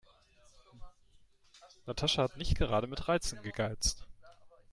Natascha hat nicht gerade mit Reizen gegeizt.